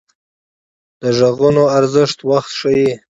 د غږونو ارزښت وخت ښيي